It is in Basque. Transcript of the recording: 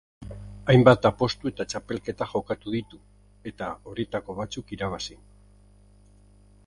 Hainbat apustu eta txapelketa jokatu ditu, eta, horietako batzuk irabazi.